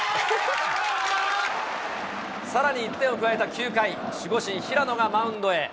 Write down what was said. さらに１点を加えた９回、守護神、平野がマウンドへ。